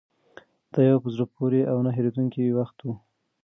دا یو په زړه پورې او نه هېرېدونکی وخت و.